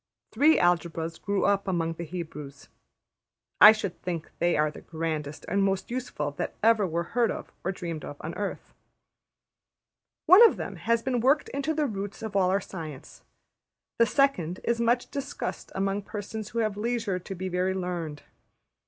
Three Algebras grew up among the Hebrews; I should think they are the grandest and most useful that ever were heard of or dreamed of on earth. One of them has been worked into the roots of all our science; the second is much discussed among persons who have leisure to be very learned.